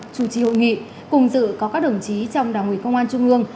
chủ trì hội nghị cùng dự có các đồng chí trong đảng ủy công an trung ương